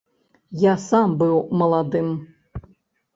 Я сам быў маладым!